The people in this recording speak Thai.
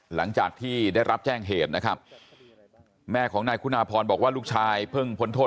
หลังจากที่ได้รับแจ้งเหตุนะครับแม่ของนายคุณาพรบอกว่าลูกชายเพิ่งพ้นโทษ